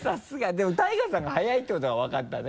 でもＴＡＩＧＡさんが速いってことは分かったね。